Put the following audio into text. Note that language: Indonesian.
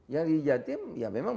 yang ijatim ya memang